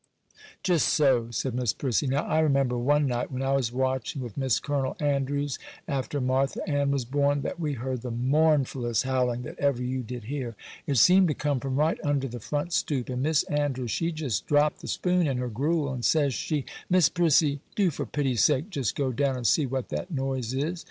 'Just so,' said Miss Prissy; 'now I remember one night, when I was watching with Miss Colonel Andrews, after Martha Ann was born, that we heard the mournfullest howling that ever you did hear. It seemed to come from right under the front stoop; and Miss Andrews, she just dropped the spoon in her gruel, and says she, "Miss Prissy, do for pity's sake just go down and see what that noise is."